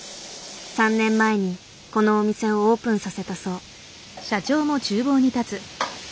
３年前にこのお店をオープンさせたそう。